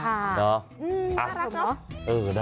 น่ารักเนอะ